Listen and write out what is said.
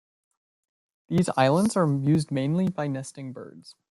These islands are used mainly by nesting birds.